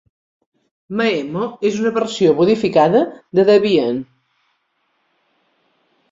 Maemo és una versió modificada de Debian.